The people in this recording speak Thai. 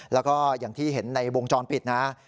แล้วก็อย่างที่เห็นในวงจรปิดนะ